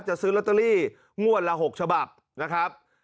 ซื้อลอตเตอรี่งวดละ๖ฉบับนะครับ